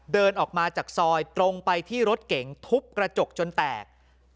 เดินออกมาจากซอยตรงไปที่รถเก๋งทุบกระจกจนแตก